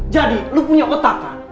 jadi kamu punya otak kan